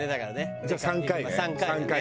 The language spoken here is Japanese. じゃあ３回ね３回ね。